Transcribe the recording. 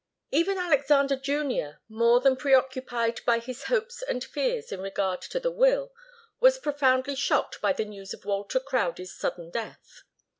Even Alexander Junior, more than preoccupied by his hopes and fears in regard to the will, was profoundly shocked by the news of Walter Crowdie's sudden death.